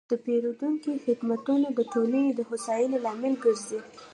د پیرودونکو خدمتونه د ټولنې د هوساینې لامل ګرځي.